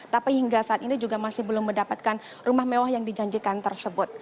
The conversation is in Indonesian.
tapi hingga saat ini juga masih belum mendapatkan rumah mewah yang dijanjikan tersebut